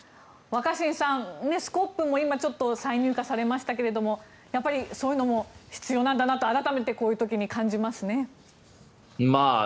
若新さん、スコップも今、再入荷されましたがやっぱりそういうのも必要なんだなと改めてこういう時に感じますね。